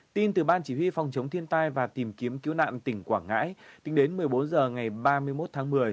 tin từ ban chỉ huy phòng chống thiên tai và tìm kiếm cứu nạn tỉnh quảng ngãi tính đến một mươi bốn h ngày ba mươi một tháng một mươi